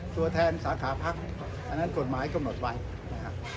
ตัวแทนสาขาพักอันนั้นกฎหมายกำหนดไว้นะครับ